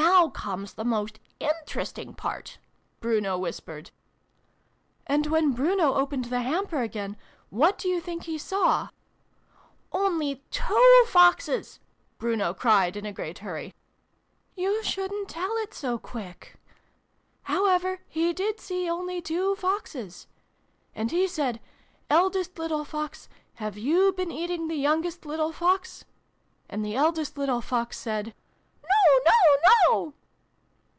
(" Now comes the most interesting part," Bruno whispered.) xv] THE LITTLE FOXES. 241 " And when Bruno opened the hamper again, what do you think he saw ?"(" Only two Foxes !" Bruno cried in a great hurry.) " You shouldn't tell it so quick. However, he did see only two Foxes. And he said ' Eldest little Fox, have you been eating the youngest little Fox ?' And the eldest little Fox said 'No no no!'